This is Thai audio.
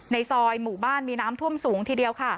ในซอยหมู่บ้านมีน้ำท่วมสูงทีเดียวค่ะ